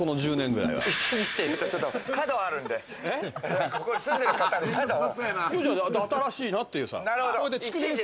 いや、新しいなっていう。